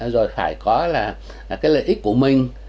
rồi phải có là cái lợi ích của mình